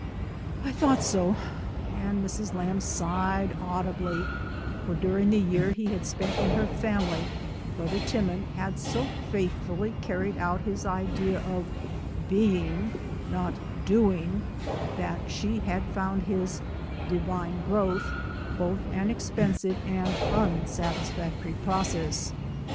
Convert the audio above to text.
"I thought so.*' And Mrs. Lamb sighed au dibly, for during the year he had spent in her \ family Brother Timon had so faithfully carried / out his idea of "being, not doing," that she had found his "divine growth" both an expensive and unsatisfactory process.